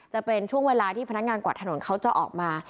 จะเป็นช่วงเวลาที่พนักงานกวาดถนนเขาจะออกมา